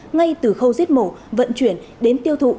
ngay từ khâu giết mổ vận chuyển đến tiêu thụ